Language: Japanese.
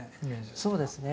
そうですね。